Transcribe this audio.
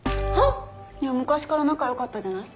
いや昔から仲良かったじゃない。